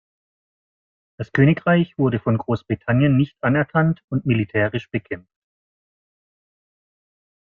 Das Königreich wurde von Großbritannien nicht anerkannt und militärisch bekämpft.